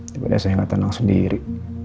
daripada saya nggak tenang sendiri